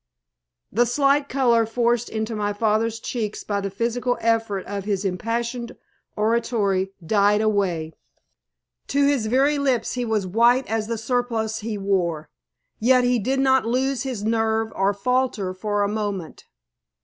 The slight color forced into my father's cheeks by the physical effort of his impassioned oratory died away. To his very lips he was white as the surplice he wore. Yet he did not lose his nerve or falter for a moment.